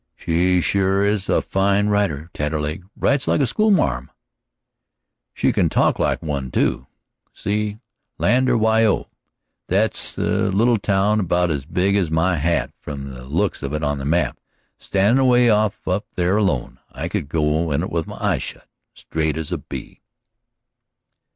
"She sure is a fine writer, Taterleg writes like a schoolma'am." "She can talk like one, too. See 'Lander, Wyo.' It's a little town about as big as my hat, from the looks of it on the map, standin' away off up there alone. I could go to it with my eyes shut, straight as a bee."